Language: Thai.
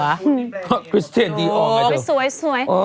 ชะโป๋คริสเตียนดีออกไอ้เจ้า